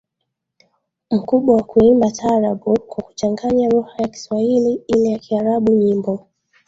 mkubwa wa kuimba taarabu kwa kuchanganya lugha ya kiswahili na ile ya kiarabu Nyimbo